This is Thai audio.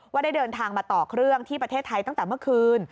ได้เดินทางมาต่อเครื่องที่ประเทศไทยตั้งแต่เมื่อคืน